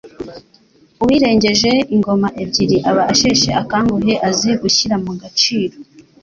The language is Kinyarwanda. Uwirengeje ingoma ebyiri aba asheshe akanguhe azi gushyira mu gaciro.